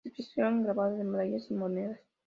Se especializó en grabado de medallas y monedas.